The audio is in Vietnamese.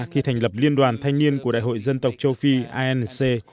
khi thành lập liên đoàn thanh niên của đại hội dân tộc châu phi inc